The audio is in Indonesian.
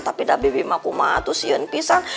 tapi dabi bima kumatuh si yen pisah